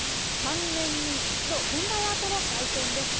３年に１度、現代アートの祭典です。